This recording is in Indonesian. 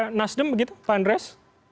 ke nasdem begitu pak andreas